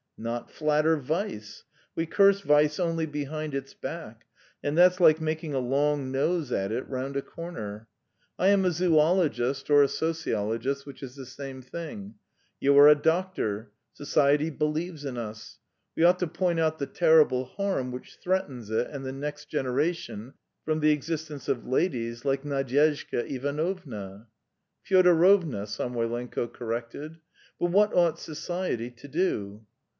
"Not flatter vice. We curse vice only behind its back, and that's like making a long nose at it round a corner. I am a zoologist or a sociologist, which is the same thing; you are a doctor; society believes in us; we ought to point out the terrible harm which threatens it and the next generation from the existence of ladies like Nadyezhda Ivanovna." "Fyodorovna," Samoylenko corrected. "But what ought society to do?"